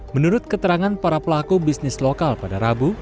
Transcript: menurut keterangan para pelaku bisnis lokal pada rabu